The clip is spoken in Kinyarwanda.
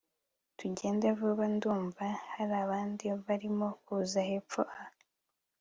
tugende vuba ndumva harabandi barimo kuza hepfo aha